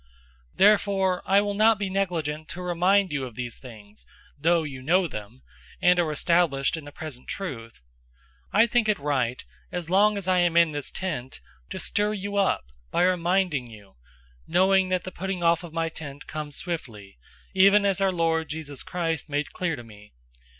001:012 Therefore I will not be negligent to remind you of these things, though you know them, and are established in the present truth. 001:013 I think it right, as long as I am in this tent, to stir you up by reminding you; 001:014 knowing that the putting off of my tent comes swiftly, even as our Lord Jesus Christ made clear to me.